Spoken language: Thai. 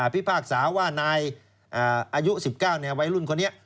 พิพากษาว่านายอายุ๑๙วัยรุ่นคนนี้